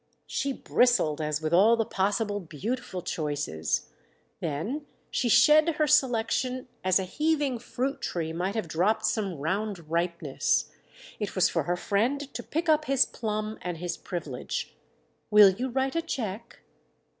She bristled as with all the possible beautiful choices; then she shed her selection as a heaving fruit tree might have dropped some round ripeness. It was for her friend to pick up his plum and his privilege. "Will you write a cheque?"